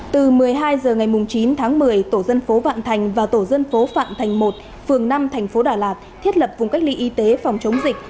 từ một mươi hai h ngày chín tháng một mươi tổ dân phố vạn thành và tổ dân phố phạm thành một phường năm thành phố đà lạt thiết lập vùng cách ly y tế phòng chống dịch